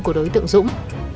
của đối tượng dũng